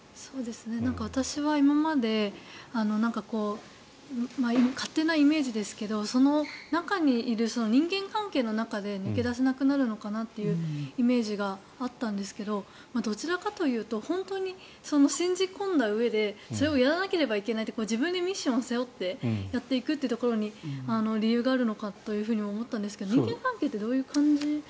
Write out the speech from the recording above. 私は今まで勝手なイメージですけどその中にいる人間関係の中で抜け出せなくなるのかなというイメージがあったんですけどどちらかというと本当に信じ込んだうえでそれをやらなければいけないと自分でミッションを背負ってやっていくというところに理由があるのかと思ったんですが人間関係ってどういう感じ？